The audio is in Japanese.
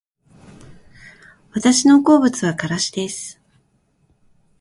私の好物はからしです